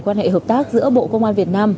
quan hệ hợp tác giữa bộ công an việt nam